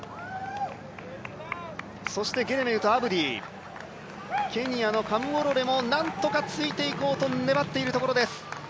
そしてゲレメウとアブディケニアのカムウォロレもなんとか、ついていこうと粘っているところです。